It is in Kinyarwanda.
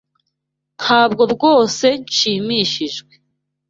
Ntabwo rwose nshimishijwe.